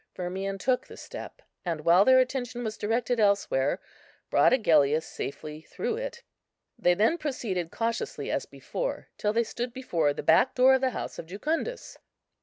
Firmian took the step; and while their attention was directed elsewhere, brought Agellius safely through it. They then proceeded cautiously as before, till they stood before the back door of the house of Jucundus.